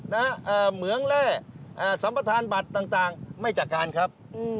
เหงืองแล้วสัมปัติธรรมบัตรต่างไม่จัดการครับ